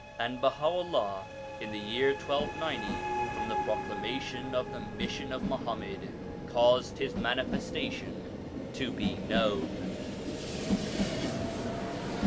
And Baha'ullah in the year 1290 from the proclamation of the mission of Muhammad caused his manifestation to be known.